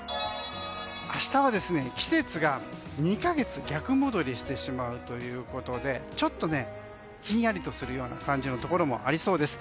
明日は季節が２か月逆戻りしてしまうということでちょっとひんやりとするような感じのところもありそうです。